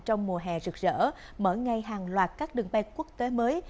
trong mùa hè rực rỡ mở ngay hàng loạt các đường bay quốc tế mới